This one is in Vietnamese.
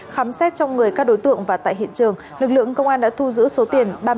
khám xét trong người các đối tượng và tại hiện trường lực lượng công an đã thu giữ số tiền